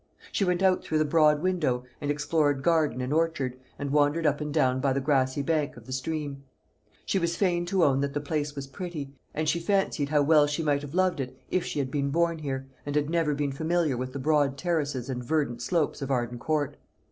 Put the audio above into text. She went out through the broad window, and explored garden and orchard, and wandered up and down by the grassy bank of the stream. She was fain to own that the place was pretty: and she fancied how well she might have loved it, if she had been born here, and had never been familiar with the broad terraces and verdant slopes of Arden Court.